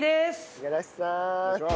五十嵐さーん。